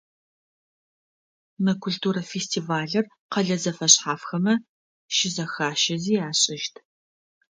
Мы культурэ фестивалыр къэлэ зэфэшъхьафхэмэ щызэхащэзи ашӏыщт.